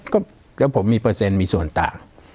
ก็แล้วผมมีเปอร์เซ็นต์มีส่วนต่าง